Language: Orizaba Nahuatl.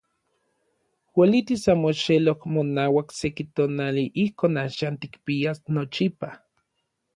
Uelitis omoxeloj monauak seki tonali ijkon axan tikpias nochipa.